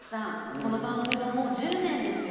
この番組ももう１０年ですよ。